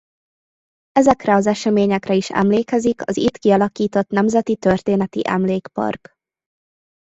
Ezekre az eseményekre is emlékezik az itt kialakított Nemzeti Történeti Emlékpark.